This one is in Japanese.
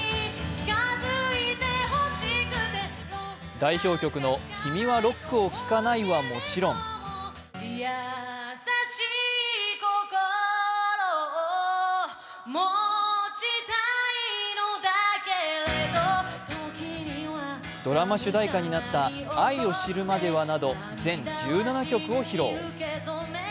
代表曲の「君はロックを聴かない」はもちろんドラマ主題歌になった「愛を知るまでは」など全１７曲を披露。